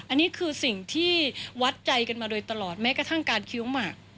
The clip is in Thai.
อันนี้คือสิ่งที่วัดใจกันมาโดยตลอดแม้กระทั่งการคิ้วหมาก